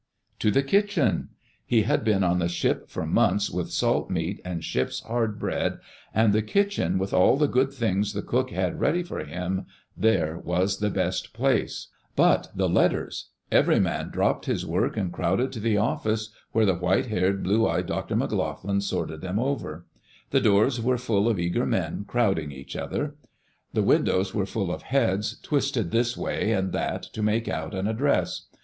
To the kitchen I He had been on that ship for months with salt meat and ship's hard bread, and the kitchen with all the good diings the cook had ready for him there was the best place. ■^' Digitized by Google FORT VANCOUVER AND JOHN McLOUGHLIN But the letters 1 Every man dropped his work and crowded to the office where the white haired, blue eyed Dr. McLoughlin sorted them over. The doors were full of eager men, crowding each other. The windows were full of heads, twisted this way and that to make out an address.